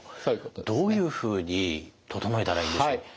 どういうふうに整えたらいいでしょう？